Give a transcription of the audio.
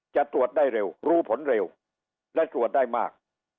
จะตรวจได้เร็วรู้ผลเร็วและตรวจได้มาก